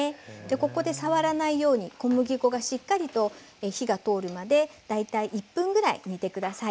ここで触らないように小麦粉がしっかりと火が通るまで大体１分ぐらい煮て下さい。